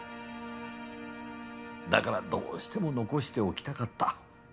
だからどうしても残しておきたかった。